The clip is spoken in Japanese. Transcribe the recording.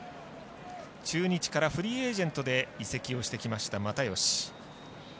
中日からフリーエージェントで移籍をしてきました又吉。